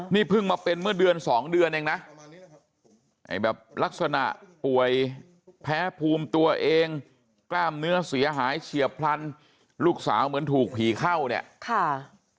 นี่เพิ่งมาเป็นเมื่อเดือนสองเดือนเองนะไอ้แบบลักษณะป่วยแพ้ภูมิตัวเองกล้ามเนื้อเสียหายเฉียบพลันลูกสาวเหมือนถูกผีเข้าเนี่ยค่ะ